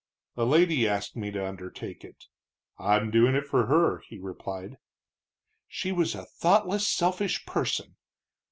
"A lady asked me to undertake it. I'm doing it for her," he replied. "She was a thoughtless, selfish person!"